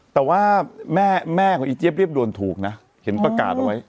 แต่ว่าแม่แม่ของอีเจี๊ยบเรียบรวมถูกนะเขียนประกาศไว้